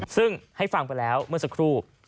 ซึ่งให้ฟังไปแล้วเมื่อสักครู่